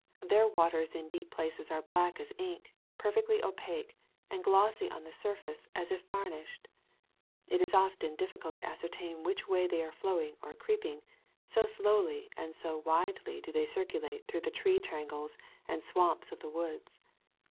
Their waters in deep places are black as ink, perfectly opaque, and glossy on the surface as if var nished. It often is difficult to ascertain which way they are flowing or creeping, so slowly and so widely do they circulate through the tree tangles and swamps of the woods.